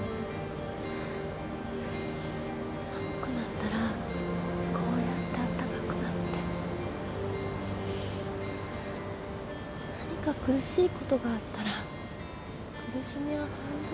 寒くなったらこうやって温かくなって何か苦しいことがあったら苦しみは半分になる。